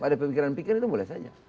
ada pemikiran pikiran itu boleh saja